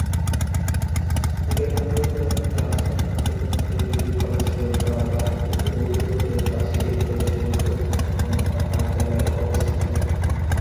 বেনাপোল পুরাতন বাসস্ট্যান্ড হতে Benapole degree college road বা বাহাদুরপুর রোডের পাশেই এই পৌরসভার প্রধান ভবন বা কার্যালয় অবস্থিত।